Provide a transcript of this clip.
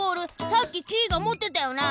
さっきキイがもってたよな？